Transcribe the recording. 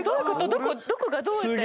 どこどこがどうやって？